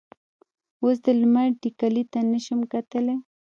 اوس د لمر ټیکلي ته نه شم کتلی.